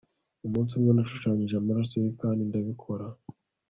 Umunsi umwe nashushanyije amaraso ye kandi ndabikora